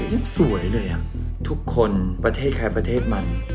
ยิ่งสวยเลยทุกคนประเทศใครประเทศมัน